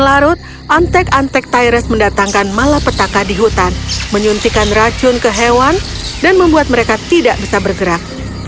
di larut antek antek tyres mendatangkan malapetaka di hutan menyuntikan racun ke hewan dan membuat mereka tidak bisa bergerak